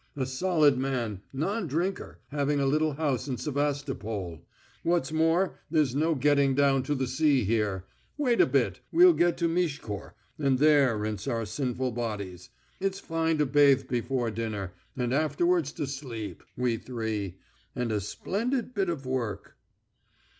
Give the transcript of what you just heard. A solid man, non drinker ... having a little house in Sevastopol. What's more, there's no getting down to the sea here. Wait a bit, we'll get to Miskhor, and there rinse our sinful bodies. It's fine to bathe before dinner ... and afterwards to sleep, we three ... and a splendid bit of work...."